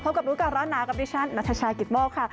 พบกับรู้กับร้านนากับดิฉันนาธาชากิดข์มองค่ะ